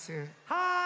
はい。